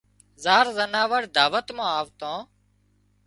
زار زناور دعوت مان آوتان